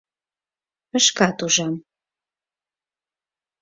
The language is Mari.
— Шкат ужам...